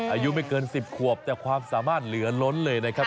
อายุไม่เกิน๑๐ขวบแต่ความสามารถเหลือล้นเลยนะครับ